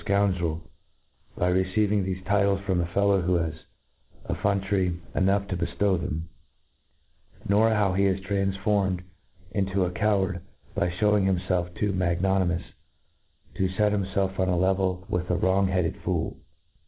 fcoundrel, by receiving thefe titles from a fellow who has effrontery enough to beftow them; nor how he is transformed into' a coward, by fhewing himfelf too magnanimous to fet himfelf on a level with a wrong headed fool.